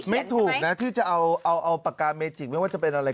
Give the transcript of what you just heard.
ไม่ถูกนะที่จะเอาปากกาเมจิกไม่ว่าจะเป็นอะไร